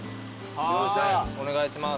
お願いします。